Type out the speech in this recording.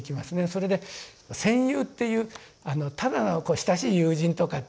それで「戦友」っていうただの親しい友人とかっていうのではない。